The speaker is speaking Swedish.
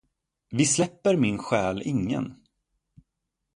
Vi släpper min själ ingen.